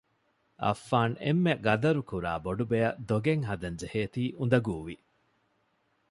އައްފާން އެންމެ ޤަދަރުކުރާ ބޮޑުބެއަށް ދޮގެއް ހަދަން ޖެހޭތީ އުނދަގޫވި